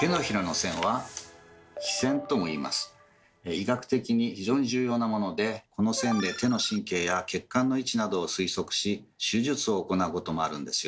医学的に非常に重要なものでこの線で手の神経や血管の位置などを推測し手術を行うこともあるんですよ。